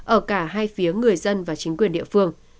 ở cả hai phía người dân và chính quyền địa phương